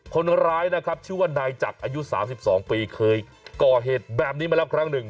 คนร้ายนะครับชื่อว่านายจักรอายุ๓๒ปีเคยก่อเหตุแบบนี้มาแล้วครั้งหนึ่ง